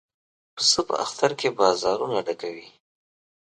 پسه په اختر کې بازارونه ډکوي.